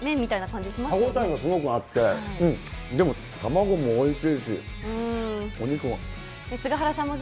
歯応えがすごくあって、でも卵もおいしいし、お肉も。